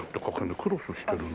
クロスしてるな。